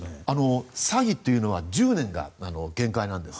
詐欺というのは１０年が限界なんです。